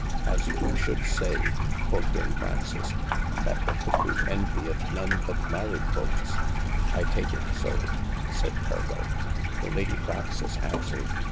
As who should say (quod Dame Fraunces,) that the Cuckoe envieth none but maryed folkes. I take it so, sayd Pergo, the Lady Frances answered.